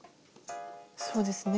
そうですね。